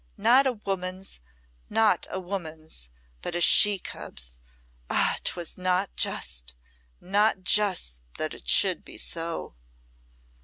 Not a woman's not a woman's, but a she cub's. Ah! 'twas not just not just that it should be so!"